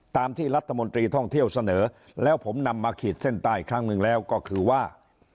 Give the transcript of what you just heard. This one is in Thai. ตามที่รัฐมนตรีท่องเที่ยวเสนอแล้วผมนำมาขีดเส้นใต้อีกครั้งหนึ่งแล้วก็คือว่า